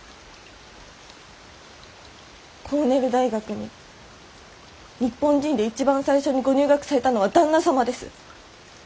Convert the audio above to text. コーネル大学に日本人で一番最初にご入学されたのは旦那様です。